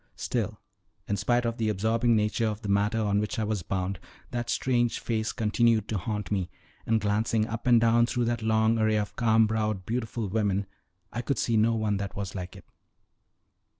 Still, in spite of the absorbing nature of the matter on which I was bound, that strange face continued to haunt me, and glancing up and down through that long array of calm browed, beautiful women, I could see no one that was like it.